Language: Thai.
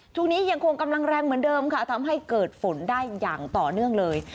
ช่วงนี้ยังคงกำลังแรงเหมือนเดิมค่ะทำให้เกิดฝนได้อย่างต่อเนื่องเลย